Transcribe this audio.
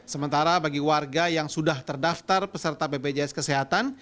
sementara bagi warga yang sudah terdaftar peserta bpjs kesehatan